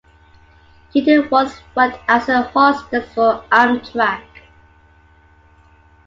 Keaton once worked as a hostess for Amtrak.